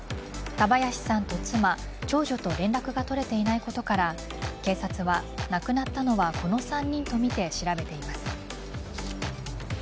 田林さんと妻、長女と連絡が取れていないことから警察は亡くなったのはこの３人とみて調べています。